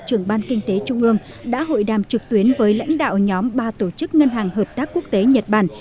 trưởng ban kinh tế trung ương đã hội đàm trực tuyến với lãnh đạo nhóm ba tổ chức ngân hàng hợp tác quốc tế nhật bản